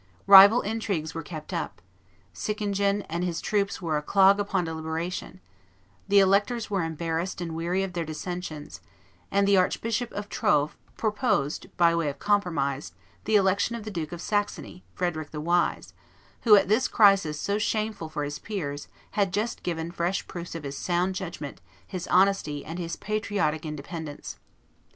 Rival intrigues were kept up; Sickingen and his troops were a clog upon deliberation; the electors were embarrassed and weary of their dissensions; and the Archbishop of Troves proposed by way of compromise the election of the Duke of Saxony, Frederick the Wise, who, at this crisis so shameful for his peers, had just given fresh proofs of his sound judgment, his honesty, and his patriotic independence.